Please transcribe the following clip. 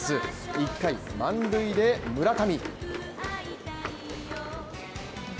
１回、満塁で村上。